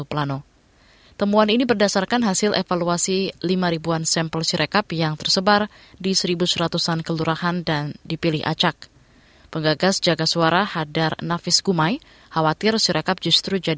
batsman pembuka australia david warner